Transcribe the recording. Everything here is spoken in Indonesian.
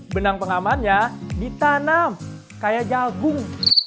benang pengamannya ditanam kayak jagung